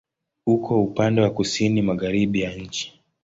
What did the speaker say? Uko upande wa kusini-magharibi ya nchi.